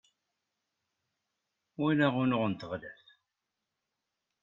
walaɣ unuɣ n tɣellaft